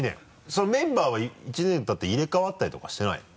それメンバーは１年たって入れ替わったりとかしてないの？